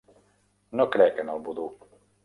No crec en el vudú.